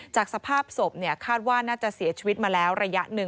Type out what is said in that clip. จากสภาพศพเนี่ยคาดว่าน่าจะเสียชีวิตมาแล้วระยะนึง